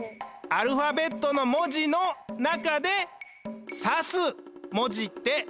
「アルファベットの文字の中でさす文字ってなんだ？」ってこと。